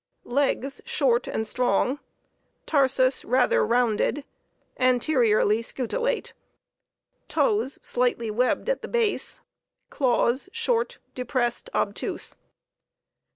Legs short and strong; tarsus, rather rounded; anteriorly scutellate; toes, slightly webbed at the base; claws, short, depressed, obtuse.